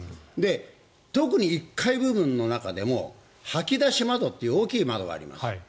特に１階部分の中でも掃き出し窓という大きい窓があります。